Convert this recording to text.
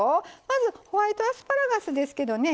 まずホワイトアスパラガスですけどね